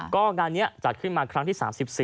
ก็งานนี้จัดขึ้นมาครั้งที่๓๔